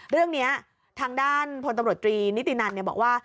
เรื่องนี้ทางด้านพลตำรวจตรีนิตินันบอกว่า